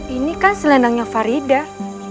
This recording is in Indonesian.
ini kan selendangnya faridah